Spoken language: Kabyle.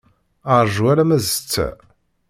Rju alamma d ssetta.